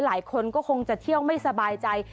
หลายคนก็คงจะเที่ยวไม่สบายใจ